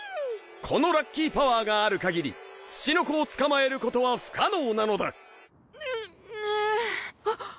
このラッキーパワーがあるかぎりツチノコを捕まえることは不可能なのだうっうぅあっ！